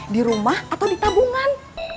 di rumah atau di tabungan